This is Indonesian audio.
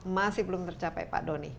masih belum tercapai pak doni